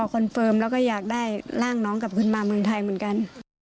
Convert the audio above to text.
คอนเฟิร์มแล้วก็อยากได้ร่างน้องกลับขึ้นมาเมืองไทยเหมือนกัน